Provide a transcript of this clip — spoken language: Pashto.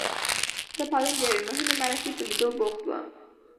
زه پرون د یوې مهمې مرکې په لیدو بوخت وم.